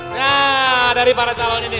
ya dari para calon ini